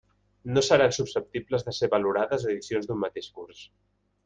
No seran susceptibles de ser valorades edicions d'un mateix curs.